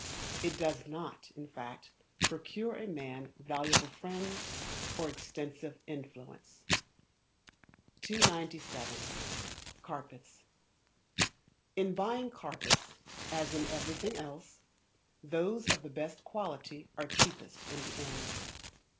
It does not, in fact, procure a man valuable friends, or extensive influence. 297. Carpets. In buying carpets, as in everything else, those of the best quality are cheapest in the end.